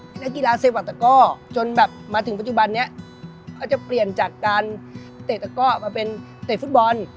เป็นนักกีฬาเซวัตตะก้อจนแบบมาถึงปัจจุบันนี้เขาจะเปลี่ยนจากการเตะตะก้อมาเป็นเตะฟุตบอล